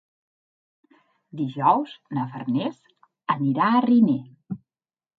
Dijous na Farners anirà a Riner.